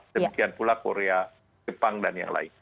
demikian pula korea jepang dan yang lain